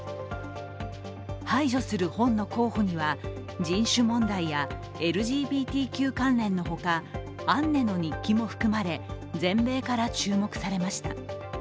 排除する本の候補には人種問題やＬＧＢＴＱ関連のほか「アンネの日記」も含まれ、全米から注目されました。